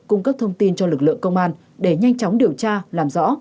cung cấp thông tin cho lực lượng công an để nhanh chóng điều tra làm rõ